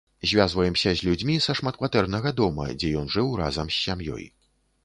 Звязваемся з людзьмі са шматкватэрнага дома, дзе ён жыў разам з сям'ёй.